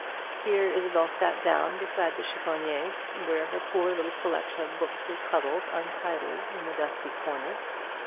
Here Isabel sat down beside the chiffonier, where her poor little collection of books was huddled untidily in a dusty corner.